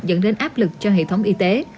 dẫn đến áp lực cho hệ thống y tế